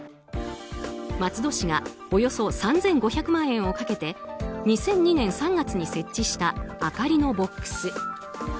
松戸市がおよそ３５００万円をかけて２００２年３月に設置したあかりのボックス。